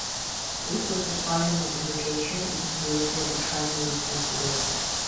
This was the final modification and created the castle we see today.